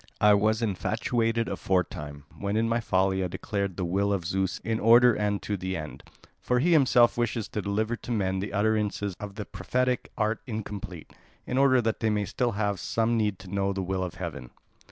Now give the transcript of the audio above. I was infatuated aforetime, when in my folly I declared the will of Zeus in order and to the end. For he himself wishes to deliver to men the utterances of the prophetic art incomplete, in order that they may still have some need to know the will of heaven."